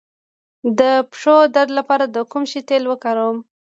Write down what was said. د پښو درد لپاره د کوم شي تېل وکاروم؟